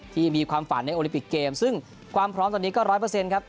ที่มีความฝันในโอลิปิกเกมซึ่งความพร้อมตอนนี้ก็ร้อยเปอร์เซ็นต์ครับ